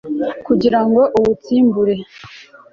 kugirango uwutsimbure